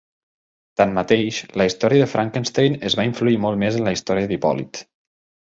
Tanmateix, la història de Frankenstein es va influir molt més en la història d'Hipòlit.